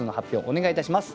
お願いいたします。